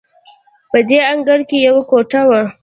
په دې انګړ کې یوه کوټه وه.